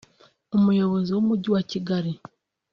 Umuyobozi w’umujyi wa Kigali